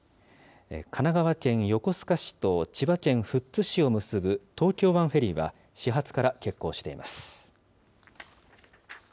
神奈川県横須賀市と千葉県富津市を結ぶ東京湾フェリーは、始発から欠航しています。